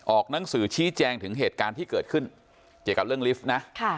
หนังสือชี้แจงถึงเหตุการณ์ที่เกิดขึ้นเกี่ยวกับเรื่องลิฟต์นะ